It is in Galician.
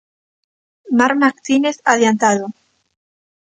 Marc Martínez adiantado.